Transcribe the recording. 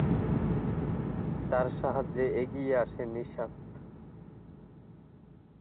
তার সাহায্যে এগিয়ে আসে নিশাত।